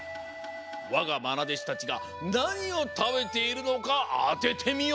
わがまなでしたちがなにをたべているのかあててみよ！